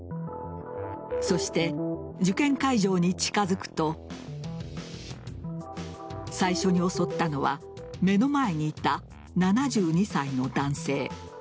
そして、受験会場に近づくと最初に襲ったのは目の前にいた７２歳の男性。